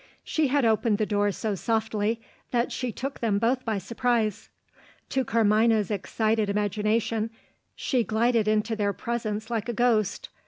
She had opened the door so softly, that she took them both by surprise. To Carmina's excited imagination, she glided into their presence like a ghost.